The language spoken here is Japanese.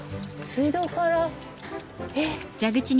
水道からえっ。